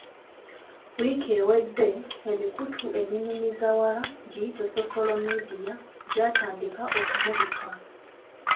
Wiiki ewedde, emikutu eminyumizawala giyite Sosolo midiya, gyatandika okumubika.